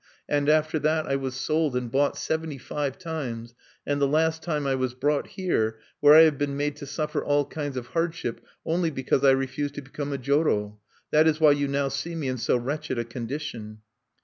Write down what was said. "And after that I was sold and bought seventy five times; and the last time I was brought here, where I have been made to suffer all kinds of hardship only because I refused to become a joro. That is why you now see me in so wretched a condition."